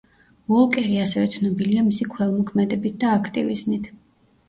უოლკერი, ასევე ცნობილია მისი ქველმოქმედებით და აქტივიზმით.